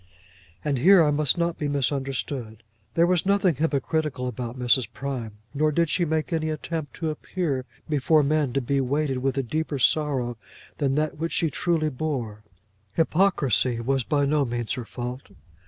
And here I must not be misunderstood. There was nothing hypocritical about Mrs. Prime, nor did she make any attempt to appear before men to be weighted with a deeper sorrow than that which she truly bore; hypocrisy was by no means her fault.